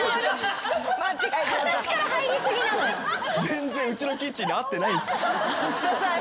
全然うちのキッチンに合ってない。